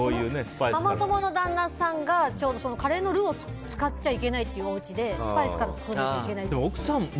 ママ友の旦那さんがちょうどカレーのルーを使っちゃいけないっていうお家でスパイスから作るんですよ。